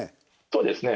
そうですね。